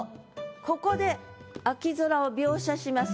ここで秋空を描写します。